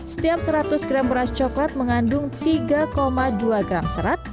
setiap seratus gram beras coklat mengandung tiga dua gram serat